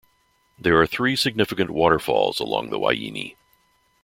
There are three significant waterfalls along the Waini.